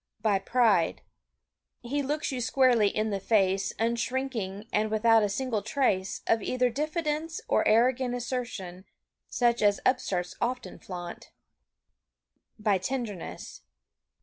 By pride. He looks you squarely in the face Unshrinking and without a single trace Of either diffidence or arrogant Assertion such as upstarts often flaunt. By tenderness.